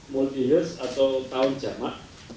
multi years atau tahun jamaah